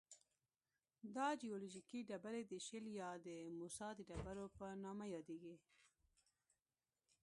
دا جیولوجیکي ډبرې د شیل یا د موسی د ډبرو په نامه یادیږي.